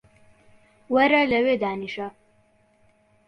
وەرە لەوێ دانیشە